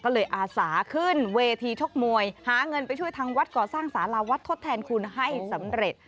ก็เลยอาสาขึ้นเวทีชกมวยหาเงินไปช่วยทางวัดก่อสร้างสาราวัดทดแทนคุณให้สำเร็จ